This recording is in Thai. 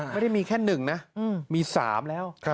ไม่ได้มีแค่หนึ่งมีสามแล้ว